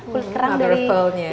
kulit kerang dari mother of pearl nya